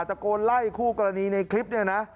ตะโกนไล่คู่กรณีในคลิปเนี่ยนะ